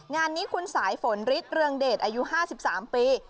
งานนี้คุณสายฝนฤทธิเรืองเดชอายุ๕๓ปี